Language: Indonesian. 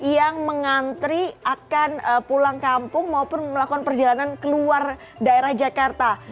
yang mengantri akan pulang kampung maupun melakukan perjalanan keluar daerah jakarta